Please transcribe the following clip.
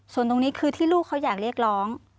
ส่วนตรงนี้คือที่ลูกเขาอยากเรียกร้อง